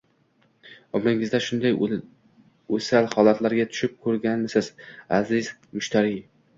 Umringizda shunday o‘sal holatlarga tushib ko‘rganmisiz, aziz mushtariy?